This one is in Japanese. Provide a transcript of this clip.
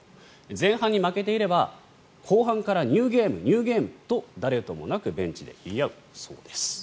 前半に負けていれば、後半からニューゲーム、ニューゲームと誰ともなくベンチで言い合うそうです。